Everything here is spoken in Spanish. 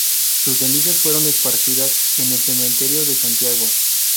Sus cenizas fueron esparcidas en el cementerio de Santiago.